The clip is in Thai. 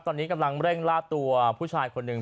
ตอนนี้กำลังเร่งล่าตัวผู้ชายคนหนึ่ง